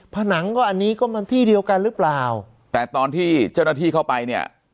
ผนังก็อันนี้ก็มันที่เดียวกันหรือเปล่าแต่ตอนที่เจ้าหน้าที่เข้าไปเนี่ย